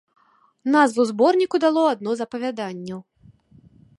Назву зборніку дало адно з апавяданняў.